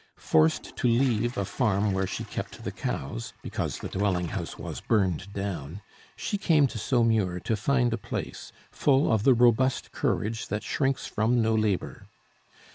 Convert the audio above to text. Forced to leave a farm where she kept the cows, because the dwelling house was burned down, she came to Saumur to find a place, full of the robust courage that shrinks from no labor.